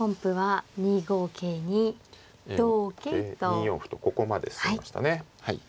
２四歩とここまで進みましたね。